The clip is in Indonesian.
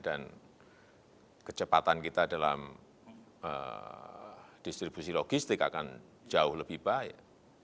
dan kecepatan kita dalam distribusi logistik akan jauh lebih baik